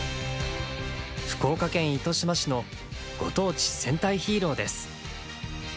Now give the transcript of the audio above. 福岡県糸島市のご当地戦隊ヒーローです。